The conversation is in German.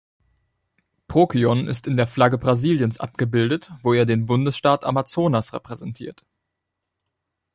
Prokyon ist in der Flagge Brasiliens abgebildet, wo er den Bundesstaat Amazonas repräsentiert.